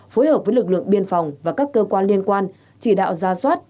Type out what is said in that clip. phối hợp với lực lượng biên phòng và các cơ quan liên quan chỉ đạo ra soát